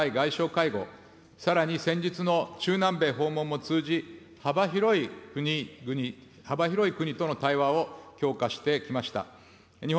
・第９回外相会合、さらに先日の中南米訪問も通じ、幅広い国々、幅広い国との対話を強化してきました。